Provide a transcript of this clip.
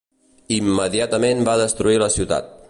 Immediatament va destruir la ciutat.